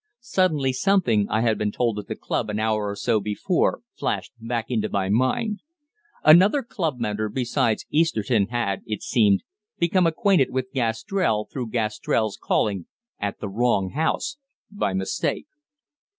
Suddenly something I had been told at the club an hour or so before flashed back into my mind. Another club member besides Easterton had, it seemed, become acquainted with Gastrell through Gastrell's calling at the wrong house by mistake.